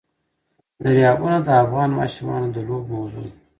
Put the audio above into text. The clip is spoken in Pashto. دریابونه د افغان ماشومانو د لوبو موضوع ده.